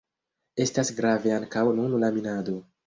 Estas grave ankaŭ nun la minado.